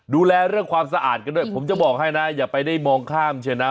ดูแลเรื่องความสะอาดกันด้วยผมจะบอกให้นะอย่าไปได้มองข้ามเชียวนะ